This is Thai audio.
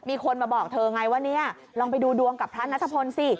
มีคนมาบอกเธอไงว่าเนี่ยลองไปดูดวงกับพระนัทพลสิ